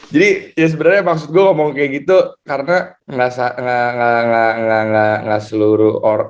jadi ya sebenernya maksud gue ngomong kayak gitu karena gak seluruh orang